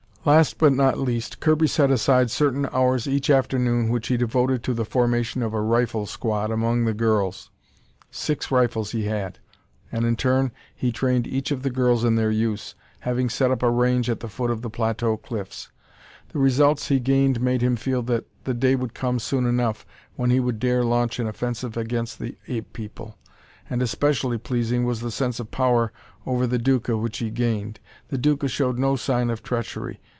Last but not least, Kirby set aside certain hours each afternoon which he devoted to the formation of a rifle squad amongst the girls. Six rifles he had, and in turn he trained each of the girls in their use, having set up a range at the foot of the plateau cliffs. The results he gained made him feel that the day would come soon enough when he would dare launch an offensive against the ape people; and especially pleasing was the sense of power over the Duca which he gained. The Duca showed no sign of treachery.